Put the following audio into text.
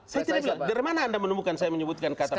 saya tidak bilang dari mana anda menemukan saya menyebutkan kata